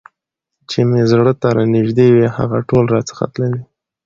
چي مي زړه ته رانیژدې وي هغه ټول راڅخه تللي